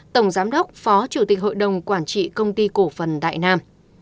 tổng giám đốc phó chủ tịch hội đồng quản trị công ty cổ phần đại nam